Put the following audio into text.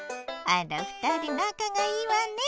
あら２人なかがいいわね！